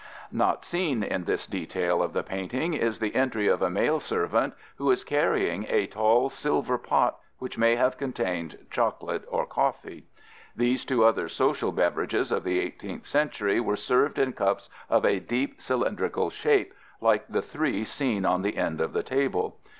Not seen in this detail of the painting is the entry of a male servant who is carrying a tall silver pot, which may have contained chocolate or coffee. These two other social beverages of the 18th century were served in cups of a deep cylindrical shape, like the three seen on the end of the table.